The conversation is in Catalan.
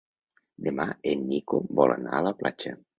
Demà en Nico vol anar a la platja.